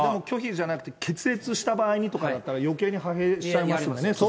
拒否じゃなくて、決裂した場合にとかだったら、よけいに派兵しちゃいますよね。